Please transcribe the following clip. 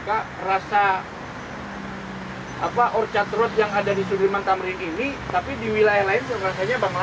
maka rasa apa orchard road yang ada di sudirman tamri ini tapi di wilayah lain rasanya bangladesh